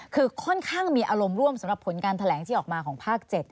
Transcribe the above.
คือค่อนข้างมีอารมณ์ร่วมสำหรับผลการแถลงที่ออกมาของภาค๗